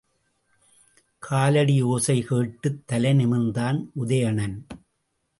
காலடி யோசை கேட்டுத் தலை நிமிர்ந்தான் உதயணன்.